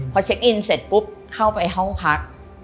พอเช็คอินเสร็จปุ๊บเข้าไปห้องพัก